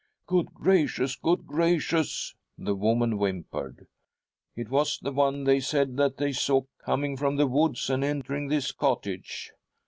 ' Good gracious ! Good gracious !' the woman whimpered. ' It was the one they said that they saw coming from the woods and entering this cottage.'